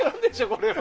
これは。